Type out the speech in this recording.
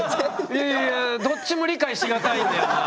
いやいやいやいやどっちも理解し難いんだよなあ。